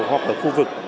hoặc ở khu vực